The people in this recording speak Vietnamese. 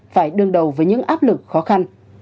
phải đương đầu với những áp lực khó khăn